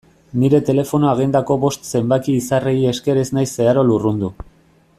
Nire telefono-agendako bost zenbaki izarrei esker ez naiz zeharo lurrundu.